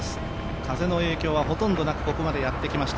風の影響はほとんどなく、ここまでやってきました。